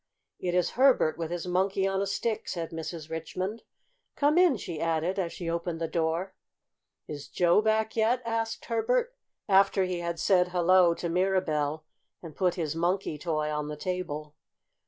"It is Herbert with his Monkey on a Stick," said Mrs. Richmond. "Come in," she added, as she opened the door. "Is Joe back yet?" asked Herbert, after he had said "hello" to Mirabell and put his Monkey toy on the table.